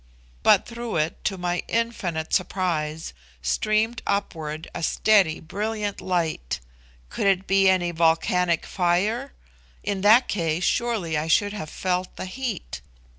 But through it, to my infinite surprise, streamed upward a steady brilliant light. Could it be any volcanic fire? In that case, surely I should have felt the heat.